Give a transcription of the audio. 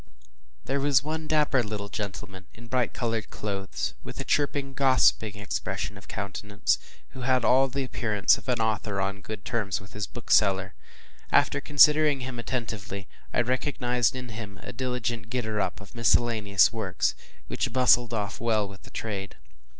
There was one dapper little gentleman in bright colored clothes, with a chirping gossiping expression of countenance, who had all the appearance of an author on good terms with his bookseller. After considering him attentively, I recognized in him a diligent getter up of miscellaneous works, which bustled off well with the trade.